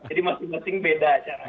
jadi masing masing beda caranya